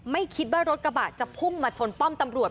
ไม่คิดว่ารถกระบะจะพุ่งมาชนป้อมตำรวจ